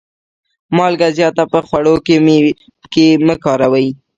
مالګه زیاته په خوړو کي مه کاروئ.